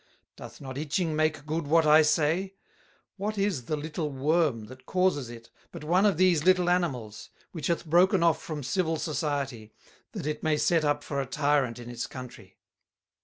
Doth not Itching make good what I say? What is the little Worm that causes it but one of these little Animals, which hath broken off from civil Society, that it may set up for a Tyrant in its Country?